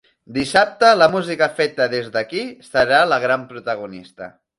Dissabte, la música feta des d’aquí serà la gran protagonista.